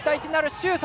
シュート！